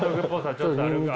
ちょっとあるか。